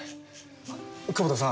久保田さん。